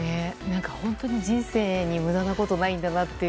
本当に人生に無駄なことはないんだなという。